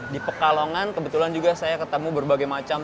di pekalongan kebetulan juga saya ketemu berbagai macam